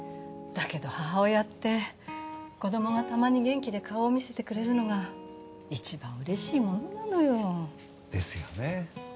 だけど母親って子供がたまに元気で顔を見せてくれるのがいちばんうれしいものなのよ。ですよね。